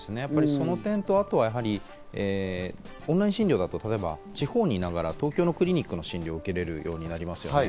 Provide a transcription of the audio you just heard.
その点と、オンライン診療が例えば地方にいながら東京のクリニックで診療を受けられるようになりますね。